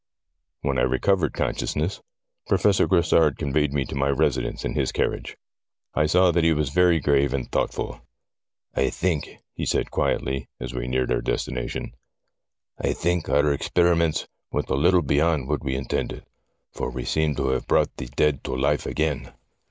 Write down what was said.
When I recovered consciousness, Professor Grassard con veyed me to my residence in his carriage. I saw that he was very grave and thoughtful. ' I think,' he said quietly, as we neared our destination —' I think our experiments went a little beyond what we in tended, for we seem to have brought the dead to life again.'